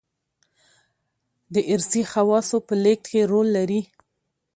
دارثي خواصو په لېږد کې رول لري.